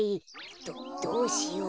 どどうしよう？